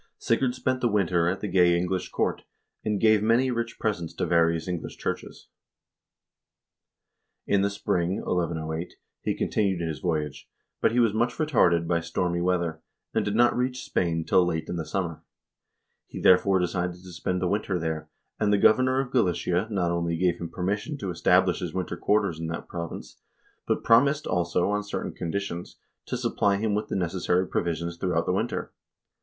1 Sigurd spent the winter at the gay English court, and gave many rich presents to various English churches. In the spring (1108) he continued his voyage, but he was much retarded by stormy weather, and did not reach Spain till late in the summer. He therefore decided to spend the winter there, and the governor of Galicia not only gave him permission to establish his winter quar ters in that province, but promised, also, on certain conditions, to supply him with the necessary provisions throughout the winter.